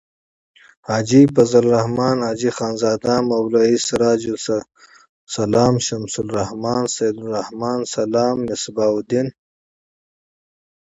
حاجی فضل الرحمن. حاجی خانزاده. مولوی سراج السلام. شمس الرحمن. سعیدالرحمن.سلام.مصباح الدین